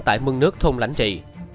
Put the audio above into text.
tại mương nước thôn lãnh trị